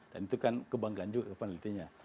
dan itu kan kebanggaan juga ke penelitinya